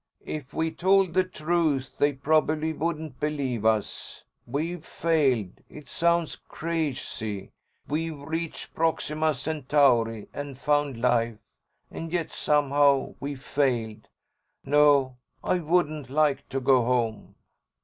"If we told the truth, they probably wouldn't believe us. We've failed. It sounds crazy. We reached Proxima Centauri and found life, and yet somehow we failed. No, I wouldn't like to go home."